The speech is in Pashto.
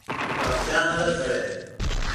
پراختیا نه ده کړې.